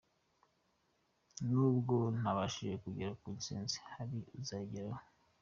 Nubwo ntabashije kugera ku ntsinzi, hari uzayigeraho.